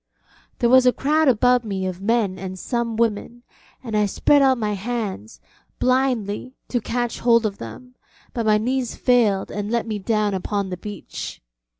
There was a crowd about me of men and some women, and I spread out my hands, blindly, to catch hold of them, but my knees failed and let me down upon the beach.